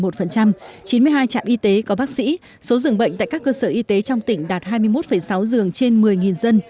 chín mươi hai trạm y tế có bác sĩ số dường bệnh tại các cơ sở y tế trong tỉnh đạt hai mươi một sáu dường trên một mươi dân